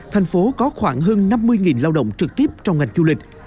thành phố có khoảng hơn năm mươi lao động trực tiếp trong ngành du lịch